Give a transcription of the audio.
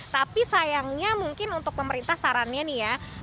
tapi sayangnya mungkin untuk pemerintah sarannya nih ya